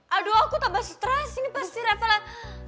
aduh aku tambah stress ini pasti reva lah